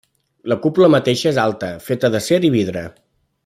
La cúpula mateixa és alta, feta d'acer i vidre.